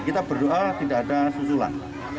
kita berdoa tidak ada susulan